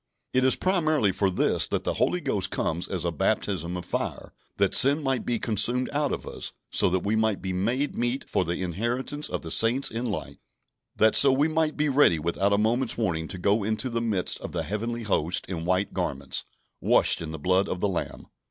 It is primarily for this that the Holy Ghost comes as a baptism of fire: that sin might be consumed out of us, so that we might be "made meet for the inheritance of the saints in light"; that so we might be ready without a moment's warning to go into the midst of the heavenly hosts in white garments, "washed in the blood of the Lamb."